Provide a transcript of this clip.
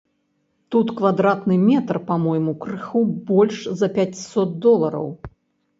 Тут квадратны метр, па-мойму, крыху больш за пяцьсот долараў.